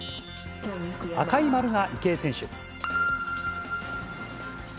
赤い丸が池江選手。